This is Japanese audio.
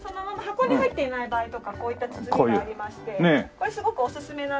そのまま箱に入っていない場合とかこういった包みがありまして。